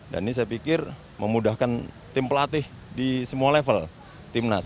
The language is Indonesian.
dan ini saya pikir memudahkan tim pelatih di semua level timnas